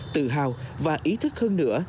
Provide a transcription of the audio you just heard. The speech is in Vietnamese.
tự hào và ý thức hơn nữa